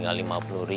sampai jumpa lagi